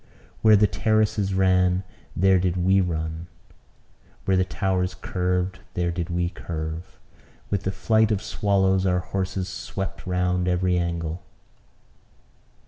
Where the terraces ran, there did we run; where the towers curved, there did we curve. With the flight of swallows our horses swept round every angle.